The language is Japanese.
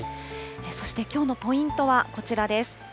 そしてきょうのポイントはこちらです。